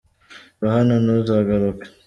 Va hano ntuzagaruke.